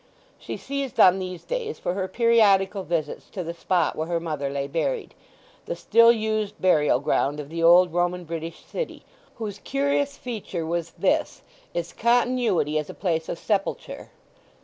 She seized on these days for her periodical visits to the spot where her mother lay buried—the still used burial ground of the old Roman British city, whose curious feature was this, its continuity as a place of sepulture.